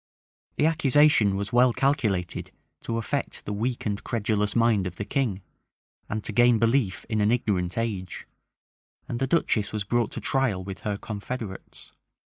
The accusation was well calculated to affect the weak and credulous mind of the king, and to gain belief in an ignorant age; and the duchess was brought to trial with her confederates.